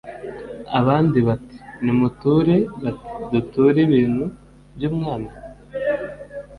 Abandi bati:"Nimuture" Bati: "Duture ibintu by' umwami ?"